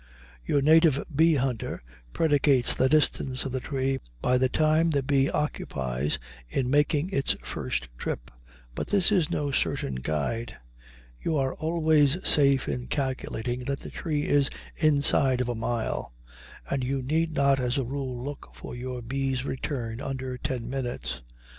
Your native bee hunter predicates the distance of the tree by the time the bee occupies in making its first trip. But this is no certain guide. You are always safe in calculating that the tree is inside of a mile, and you need not as a rule look for your bee's return under ten minutes.